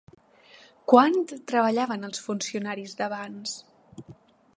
Quant treballaven els funcionaris d'abans?